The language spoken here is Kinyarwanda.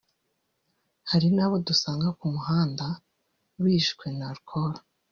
hari n’ abo dusanga ku muhanda bishwe na arukoro